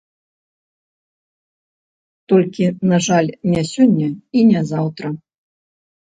Толькі, на жаль, не сёння і не заўтра.